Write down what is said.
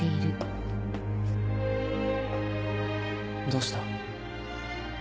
どうした？